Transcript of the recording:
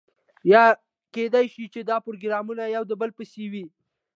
یا کیدای شي چې دا پروګرامونه یو د بل پسې وي.